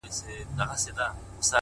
اوښکه یم په لاره کي وچېږم ته به نه ژاړې-